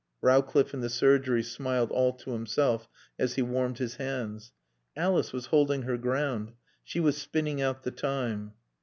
Rowcliffe in the surgery smiled all to himself as he warmed his hands. Alice was holding her ground. She was spinning out the time.